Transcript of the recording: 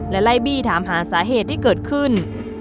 และไล่บี้ถามหาสาเหตุที่เกิดขึ้น